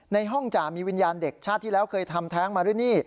ในห้องจ่ามีวิญญาณเด็กชาติที่แล้วเคยทำแท้งมาหรือนี่